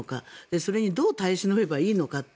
それにどう耐え忍べばいいのかって。